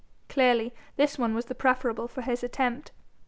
Clearly this was the preferable for his attempt.